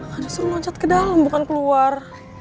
gak ada suruh loncat ke dalam bukan keluar